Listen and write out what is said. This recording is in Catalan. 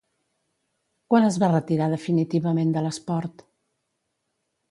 Quan es va retirar definitivament de l'esport?